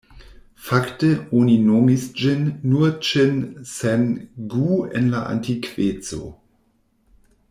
Fakte oni nomis ĝin nur ĉin sen gu en la antikveco.